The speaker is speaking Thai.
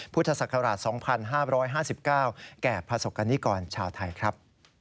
พุทธศักราช๒๕๕๙แก่ประสบกรณิกรชาวไทยครับ